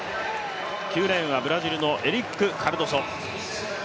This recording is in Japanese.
９レーンはブラジルのエリック・カルドソ。